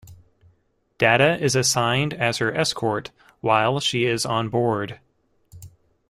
Data is assigned as her escort while she is on board.